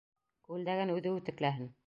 Күлдәген үҙе үтекләһен.